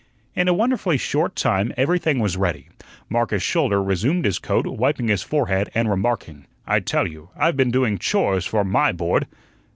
In a wonderfully short time everything was ready. Marcus Schouler resumed his coat, wiping his forehead, and remarking: "I tell you, I've been doing CHORES for MY board."